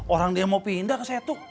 orang dia mau pindah ke satu